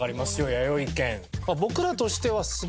やよい軒。